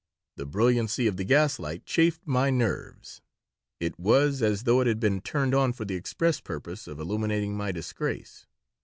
The brilliancy of the gaslight chafed my nerves. It was as though it had been turned on for the express purpose of illuminating my disgrace.